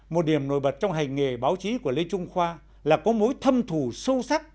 một điểm nổi bật trong hành nghề báo chí của lê trung khoa là có mối thâm thủ sâu sắc